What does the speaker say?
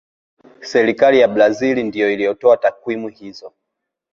serikali ya brazil ndiyo iliyotoa takwimu hizo